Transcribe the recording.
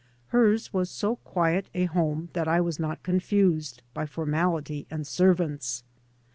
Hers was so quiet a home that I was not confused by formality and servants.